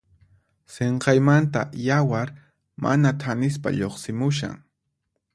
Sinqaymanta yawar mana thanispa lluqsimushan.